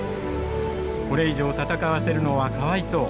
「これ以上戦わせるのはかわいそう。